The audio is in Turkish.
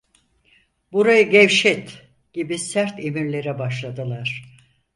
"Burayı gevşet!" gibi sert emirlere başladılar.